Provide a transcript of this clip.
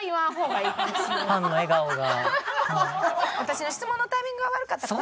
私の質問のタイミングが悪かったかな？